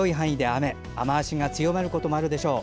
雨足が強まることもあるでしょう。